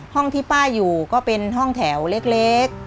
ห้องที่ป้าอยู่ก็เป็นห้องแถวเล็ก